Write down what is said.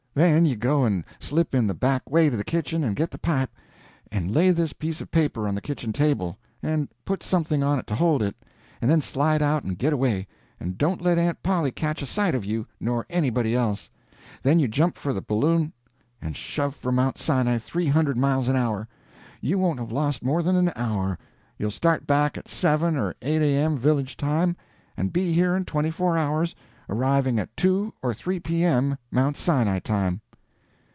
Then you go and slip in the back way to the kitchen and git the pipe, and lay this piece of paper on the kitchen table, and put something on it to hold it, and then slide out and git away, and don't let Aunt Polly catch a sight of you, nor nobody else. Then you jump for the balloon and shove for Mount Sinai three hundred miles an hour. You won't have lost more than an hour. You'll start back at 7 or 8 A.M., village time, and be here in 24 hours, arriving at 2 or 3 P.M., Mount Sinai time."